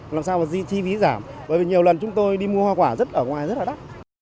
làm sao mà chi phí giảm bởi vì nhiều lần chúng tôi đi mua hoa quả rất ở ngoài rất là đắt